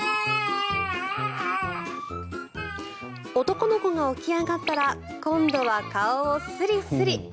男の子が起き上がったら今度は顔をスリスリ。